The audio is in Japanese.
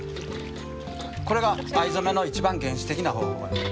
これが藍染めの一番原始的な方法。